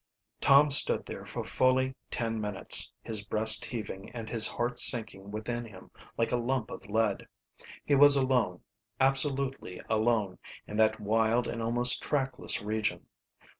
Tom stood there for fully ten minutes, his breast heaving and his heart sinking within him like a lump of lead. He was alone, absolutely alone, in that wild and almost trackless region.